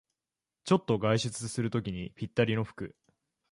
ちょっと外出するときにぴったりの服